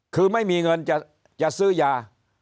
คือไม่มีเงินจะซื้อยา